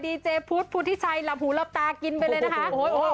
ดีเจพุทธิชัยหลับหูหลับตากินไปเลยนะคะโอ้โหโหโห